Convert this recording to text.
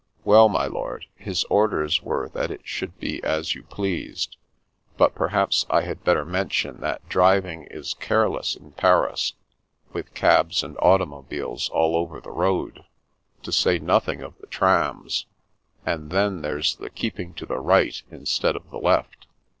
" Well, my lord, his orders were that it should be as you pleased. But perhaps I had better mention that driving is careless in Paris, with cabs and auto mobiles all over the road, to say nothing of the trams ; and then there's the keeping to the right in stead of the left.